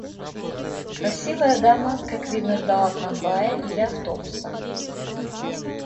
Красивая дама, как видно, ждала трамвая или автобуса.